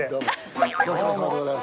ご苦労さまでございます。